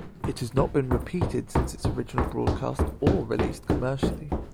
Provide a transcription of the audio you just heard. It has not been repeated since its original broadcast or released commercially.